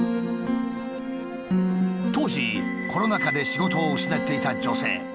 当時コロナ禍で仕事を失っていた女性。